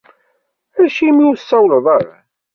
Acimi ur tsawleḍ ara?